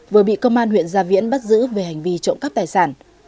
vừa bị công an huyện gia viễn bắt giữ về hành vi trộm cắp tài sản